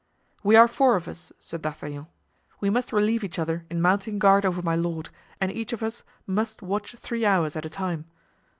"We are four of us," said D'Artagnan; "we must relieve each other in mounting guard over my lord and each of us must watch three hours at a time.